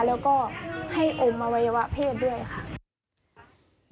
แล้วก็ให้อมอวัยวะเพศด้วยค่ะ